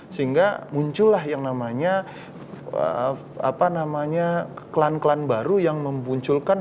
sehingga muncullah yang namanya klan klan baru yang memunculkan